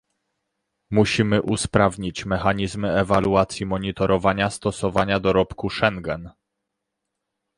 Musimy usprawnić mechanizmy ewaluacji monitorowania stosowania dorobku Schengen